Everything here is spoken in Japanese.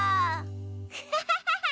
ハハハハ！